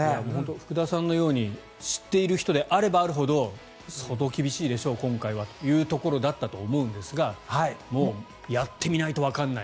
福田さんのように知っている人であればあるほど相当厳しいでしょう、今回はというところだったと思いますがやってみないとわからない。